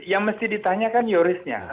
yang mesti ditanyakan yorisnya